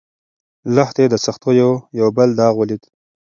لښتې د سختیو یو بل داغ ولید.